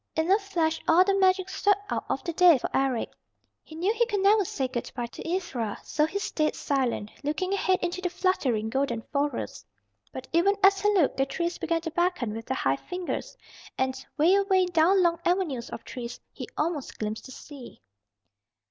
In a flash all the magic swept out of the day for Eric. He knew he could never say good by to Ivra, so he stayed silent, looking ahead into the fluttering, golden forest. But even as he looked the trees began to beckon with their high fingers, and 'way away, down long avenues of trees he almost glimpsed the sea.